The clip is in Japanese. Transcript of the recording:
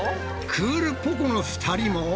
クールポコ。の２人も。